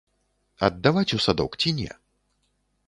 Аддаваць у садок ці не?